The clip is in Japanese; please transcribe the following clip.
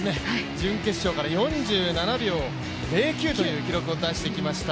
準決勝から４７秒０９という記録を出してきました。